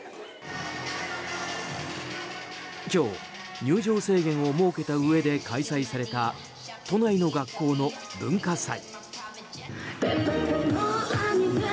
今日、入場制限を設けたうえで開催された都内の学校の文化祭。